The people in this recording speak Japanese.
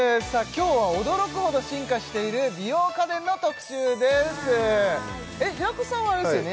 今日は驚くほど進化している美容家電の特集です平子さんはあれですよね